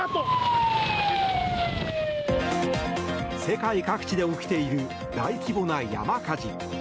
世界各地で起きている大規模な山火事。